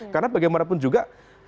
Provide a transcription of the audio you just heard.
karena bagaimanapun juga